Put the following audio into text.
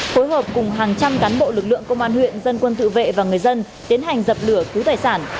phối hợp cùng hàng trăm cán bộ lực lượng công an huyện dân quân tự vệ và người dân tiến hành dập lửa cứu tài sản